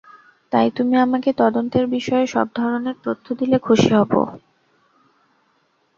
তাই তুমি আমাকে তদন্তের বিষয়ে সব ধরনের তথ্য দিলে খুশি হবো।